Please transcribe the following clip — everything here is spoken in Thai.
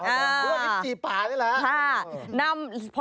ลูกเดียวก็จี๊ดป่านี่แหละ